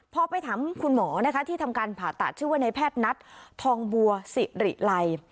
พอไปถามคุณหมอนะคะที่ทำการผ่าตัดชื่อว่าในแพทย์นัททองบัวสิริไล